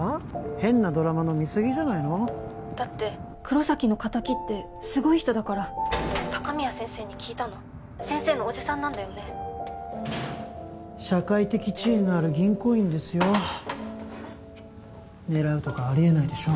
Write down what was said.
変なドラマの見過ぎじゃないの☎だって黒崎の仇ってすごい人だから☎鷹宮先生に聞いたの先生の叔父さんなんだよね社会的地位のある銀行員ですよ狙うとかありえないでしょ